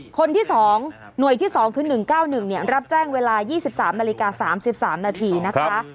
คนที่๒หน่วยที่๒คือ๑๙๑รับแจ้งเวลา๒๓นาฬิกา๓๓นาทีนะคะ